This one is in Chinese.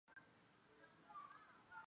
一个下午就买了三本书